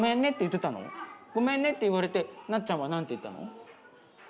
ごめんねって言われてなっちゃんは何て言ったの？